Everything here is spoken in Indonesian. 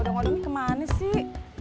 odong odongnya kemana sih